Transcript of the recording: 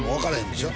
でしょ